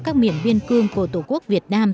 các miền biên cương của tổ quốc việt nam